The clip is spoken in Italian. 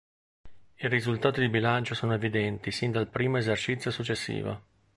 I risultati di bilancio sono evidenti sin dal primo esercizio successivo.